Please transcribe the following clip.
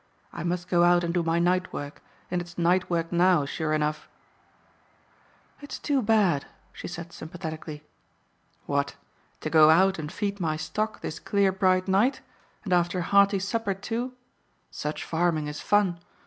I must go out and do my night work, and it's night work now, sure enough " "It's too bad!" she said sympathetically. "What! To go out and feed my stock this clear, bright night? And after a hearty supper too? Such farming is fun.